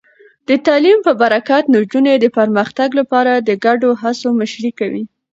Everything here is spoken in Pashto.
د تعلیم په برکت، نجونې د پرمختګ لپاره د ګډو هڅو مشري کوي.